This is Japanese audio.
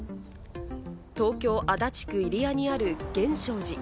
東京・足立区入谷にある源証寺。